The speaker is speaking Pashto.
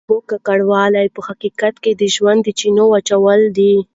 د اوبو ککړول په حقیقت کې د ژوند د چینو وچول دي.